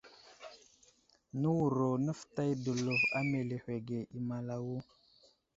Nəwuro nəfətay dəlov a meləhwəge i malawo.